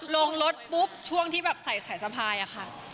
ลงรถปุ๊บช่วงที่แบบใส่สายสะพายอะค่ะ